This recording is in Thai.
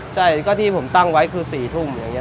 ใช่ก็ที่ผมตั้งไว้คือ๔ทุ่มอย่างนี้